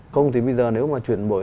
không thì bây giờ nếu mà chuyển buổi